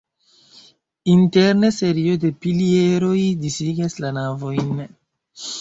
Interne serio de pilieroj disigas la navojn.